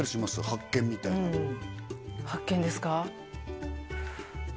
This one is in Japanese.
発見みたいな発見ですか？